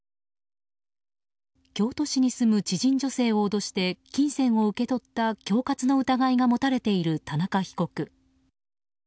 京都市に住む知人女性を脅して金銭を受け取った恐喝の疑いが持たれている田中被告。